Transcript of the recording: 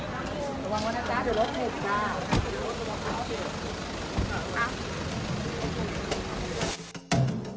มันมีผู้จัดการการมันอยู่ในแก้ไหมครับ